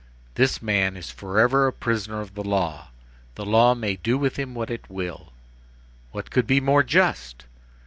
This man is forever a prisoner of the law; the law may do with him what it will. What could be more just?